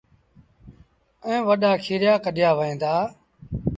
ائيٚݩ وڏآ کيريآ ڪڍيآ وهيݩ دآ